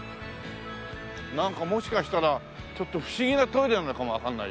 なんかもしかしたらちょっと不思議なトイレなのかもわかんないよ。